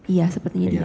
iya sepertinya dia